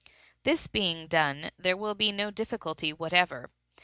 This being done, there will be no difficulty whatever.